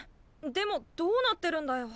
でもどうなってるんだよ？